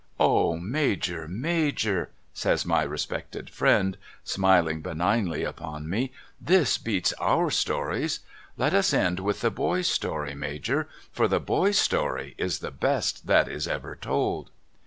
' Ah, Major, Major !' says my respected friend, smiling benignly upon me, ' this beats our stories. Let us end with the Boy's story, Major, for the Boy's story is the best that is ever told